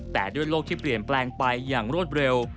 แต่ด้วยโลกที่เปลี่ยนแปลงไปอย่างรวดเร็ว